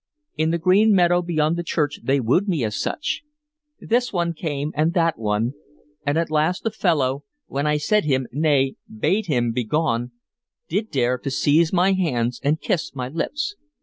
In the green meadow beyond the church they wooed me as such. This one came and that one, and at last a fellow, when I said him nay and bade him begone, did dare to seize my hands and kiss my lips.